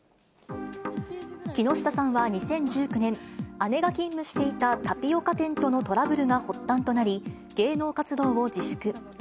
木下さんは２０１９年、姉が勤務していたタピオカ店とのトラブルが発端となり、芸能活動を自粛。